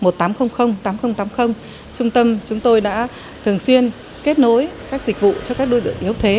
trung tâm chúng tôi đã thường xuyên kết nối các dịch vụ cho các đối tượng yếu thế